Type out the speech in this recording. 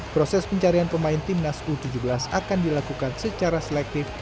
proses pencarian pemain timnas u tujuh belas akan dilakukan secara selektif